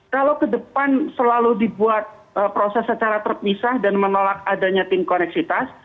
kalau ke depan selalu dibuat proses secara terpisah dan menolak adanya tim koneksitas